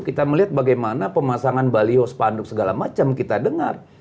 kita melihat bagaimana pemasangan baliho spanduk segala macam kita dengar